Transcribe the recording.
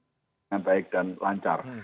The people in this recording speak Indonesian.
menjadi yang baik dan lancar